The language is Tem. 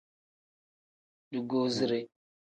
Dugusire.